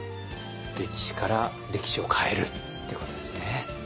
歴史から歴史を変えるってことですね。